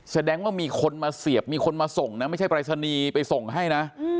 แสดงว่ามีคนมาเสียบมีคนมาส่งนะไม่ใช่ปรายศนีย์ไปส่งให้นะ